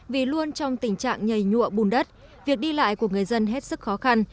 vì luôn trong tình trạng nhảy nhụa bùn đất việc đi lại của người dân hết sức khó khăn